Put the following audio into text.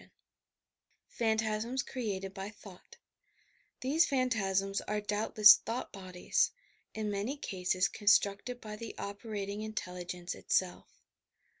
YOUR PSYCHIC POWERS PHANTASMS CREATED BY THOUGHT These phantasms are doubtless thought bodies, in many cases coDstnieted by the operating intelligence itself.